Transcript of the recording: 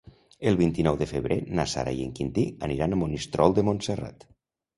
El vint-i-nou de febrer na Sara i en Quintí aniran a Monistrol de Montserrat.